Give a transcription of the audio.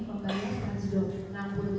wgip ini membayar